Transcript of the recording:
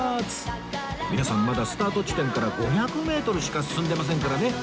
皆さんまだスタート地点から５００メートルしか進んでませんからね